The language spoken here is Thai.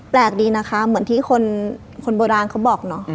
แปลกดีนะคะเหมือนที่คนโบราณเขาบอกเนาะ